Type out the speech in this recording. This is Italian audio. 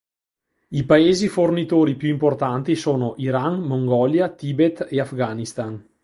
I paesi fornitori più importanti sono: Iran, Mongolia, Tibet, e Afghanistan.